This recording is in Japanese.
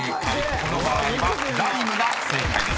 この場合は「ｌｉｍｅ」が正解です］